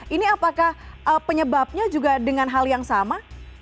ini apakah penyebabnya juga dengan hal yang sama